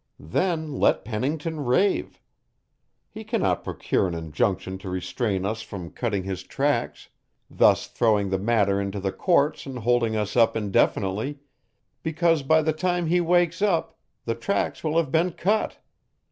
Then let Pennington rave. He cannot procure an injunction to restrain us from cutting his tracks, thus throwing the matter into the courts and holding us up indefinitely, because by the time he wakes up, the tracks will have been cut.